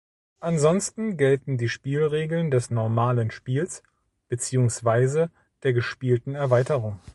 Ansonsten gelten die Spielregeln des normalen Spiels beziehungsweise der gespielten Erweiterung.